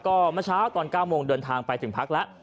ก็เมื่อเช้าตอน๙โมงเดินทางไปถึงพักแล้ว